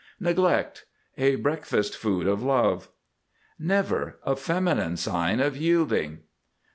NEGLECT. A breakfast food of Love. NEVER! A feminine sign of yielding.